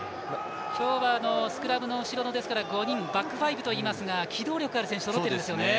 今日はスクラムの後ろの５人、バックファイブといいますが、機動力のある選手がそろってますね。